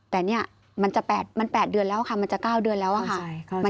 แต่เนี่ยมันจะ๘เดือนแล้วค่ะมันจะ๙เดือนแล้วอะค่ะ